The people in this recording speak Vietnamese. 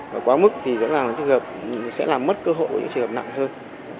và quá mức thì sẽ làm mất cơ hội với những trường hợp nặng hơn